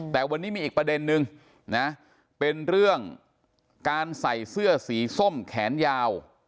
แต่วันนี้มีอีกประเด็นนึงนะเป็นเรื่องการใส่เสื้อสีส้มแขนยาว